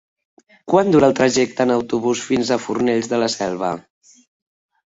Quant dura el trajecte en autobús fins a Fornells de la Selva?